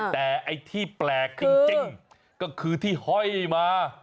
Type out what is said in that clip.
แต่ไอ้ที่แปลกจริงก็คือที่ห้อยมา